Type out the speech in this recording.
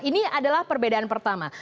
ini adalah perbedaan pertama